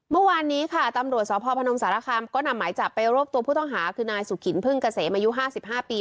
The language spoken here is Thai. เมื่อวานนี้ค่ะตำรวจสพพนมสารคามก็นำหมายจับไปรวบตัวผู้ต้องหาคือนายสุขินพึ่งเกษมอายุ๕๕ปี